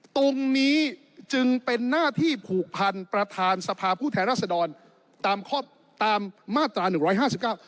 ตรงนี้จึงเป็นหน้าที่ผูกพันประธานสภาผู้แทนรัศดรตามข้อตามมาตราหนึ่งร้อยห้าสิบเก้า